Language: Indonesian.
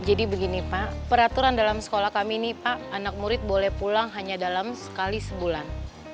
jadi begini pak peraturan dalam sekolah kami ini pak anak murid boleh pulang hanya dalam sekali sebulan